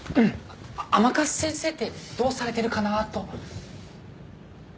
甘春先生ってどうされてるかなぁと。